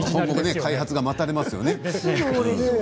開発が待たれますね。